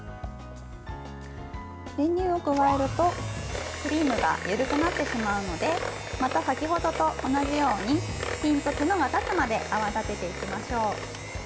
練乳を加えるとクリームが緩くなってしまうので先ほどと同じようにピンとツノが立つまで泡立てていきましょう。